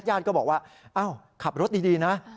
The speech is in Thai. ยาดก็บอกว่าเอ้าขับรถดีนะ